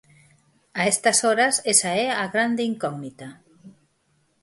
A estas horas esa é a grande incógnita.